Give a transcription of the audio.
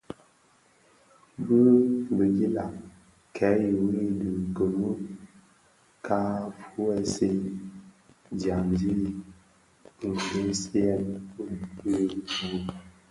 Di bidilag kè yui di kimü ka fuwèsi dyaňdi i ndegsiyèn bi bug.